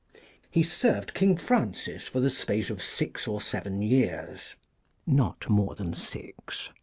He served King Francis for the space of six or seven years [not more than six.